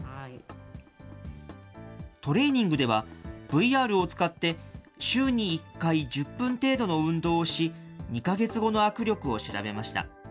トレーニングでは、ＶＲを使って週に１回１０分程度の運動をし、２か月後の握力を調べました。